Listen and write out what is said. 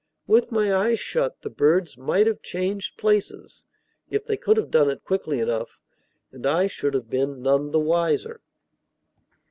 With my eyes shut, the birds might have changed places, if they could have done it quickly enough, and I should have been none the wiser.